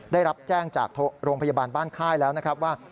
ได้รับแจ้งจากโรงพยาบาลบ้านค่ายแล้วนะครับว่า